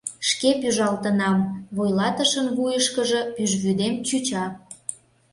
Шке пӱжалтынам, вуйлатышын вуйышкыжо пӱжвӱдем чӱча.